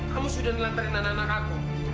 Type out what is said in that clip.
kamu sudah nentarin anak anak aku